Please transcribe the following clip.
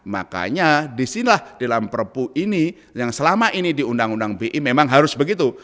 makanya disinilah dalam perpu ini yang selama ini di undang undang bi memang harus begitu